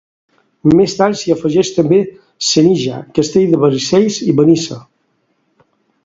Més tard s'hi afegeix també Senija, Castell de Castells i Benissa.